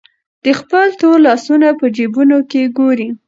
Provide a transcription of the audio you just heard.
دی خپل تور لاسونه په جېبونو کې ګوري.